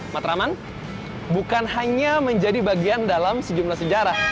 matraman bukan hanya menjadi bagian dalam sejumlah sejarah